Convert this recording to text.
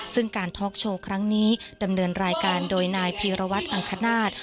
ซึ่งการท็อกโชว์ครั้งนี้ดำเนินรายการโดยนายพีรวัตรอังคณาศ